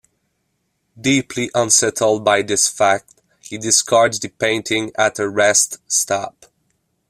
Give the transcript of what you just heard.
Deeply unsettled by this fact, he discards the painting at a rest stop.